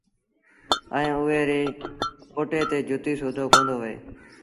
ائيٚݩ اُئي ري اوتي تي جتيٚ سُوڌو ڪوندو وهي